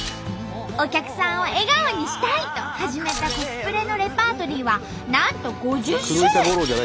お客さんを笑顔にしたいと始めたコスプレのレパートリーはなんと５０種類！